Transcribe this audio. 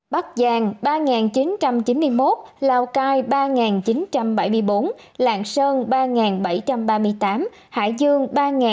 bắc giang ba chín trăm chín mươi một lào cai ba chín trăm bảy mươi bốn lạng sơn ba bảy trăm ba mươi tám hải dương ba bốn trăm năm mươi chín